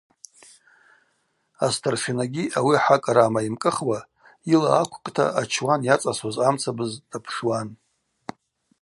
Астаршинагьи ауи ахӏа кӏара амайымкӏыхуа йыла аквкӏта ачуан йацӏасуаз амцабыз дапшуан.